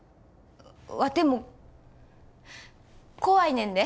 ワテも怖いねんで。